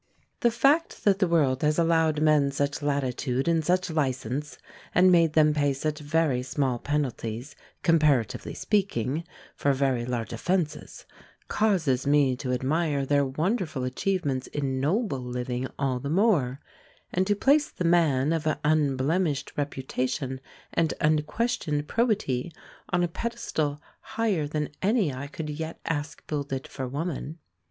The fact that the world has allowed men such latitude, and such license, and made them pay such very small penalties, comparatively speaking, for very large offences, causes me to admire their wonderful achievements in noble living all the more: and to place the man of unblemished reputation and unquestioned probity on a pedestal higher than any I could yet ask builded for woman.